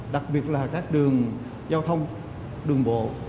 đặc biệt là các đường giao thông đường bộ